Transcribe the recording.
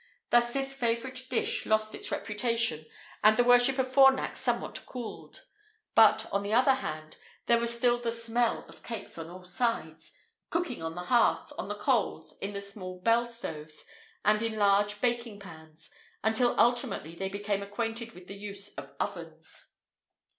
Thus this favourite dish lost its reputation, and the worship of Fornax somewhat cooled. But, on the other hand, there was still the smell of cakes on all sides; cooking on the hearth, on the coals, in small bell stoves, and in large baking pans, until ultimately they became acquainted with the use of ovens.